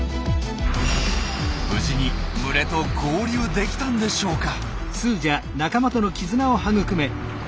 無事に群れと合流できたんでしょうか？